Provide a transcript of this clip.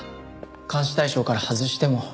監視対象から外しても。